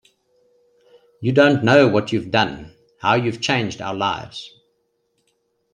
You don't know what you've done, how you've changed our lives.